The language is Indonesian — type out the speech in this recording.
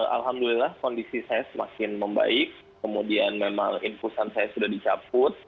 alhamdulillah kondisi saya semakin membaik kemudian memang inpusan saya sudah dicabut